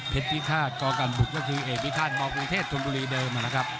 เพชรพิฆาตโกกัลบุตรก็คือเอกพิฆาตมคุณเทศธุรกุรีเดิม